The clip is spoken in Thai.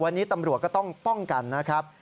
วันนี้ตำรวจก็ต้องป้องกันนะครับ